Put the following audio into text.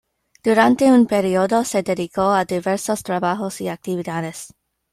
Durante un periodo se dedicó a diversos trabajos y actividades.